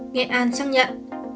nghệ an xác nhận